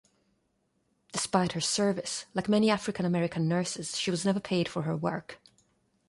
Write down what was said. Despite her service, like many African-American nurses, she was never paid for her work.